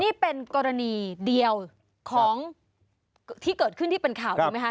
นี่เป็นกรณีเดียวของที่เกิดขึ้นที่เป็นข่าวดีไหมคะ